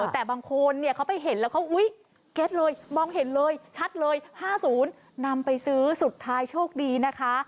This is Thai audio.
แต่บางคนเนี่ยเขาไปเห็นแล้วเขาอุ๊ยเก็ตเลยมองเห็นเลยชัดเลย๕๐นำไปซื้อสุดท้ายโชคดีนะคะ